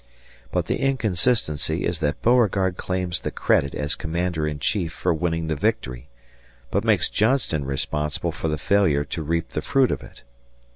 But the inconsistency is that Beauregard claims the credit as commander in chief for winning the victory, but makes Johnston responsible for the failure to reap the fruit of it.